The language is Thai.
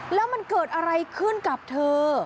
แล้วมันเกิดอะไรขึ้นกับเธอ